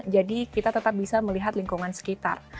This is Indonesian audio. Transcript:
jadi kita tetap bisa melihat lingkungan sekitar